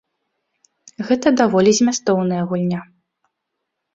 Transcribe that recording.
Гэта даволі змястоўная гульня.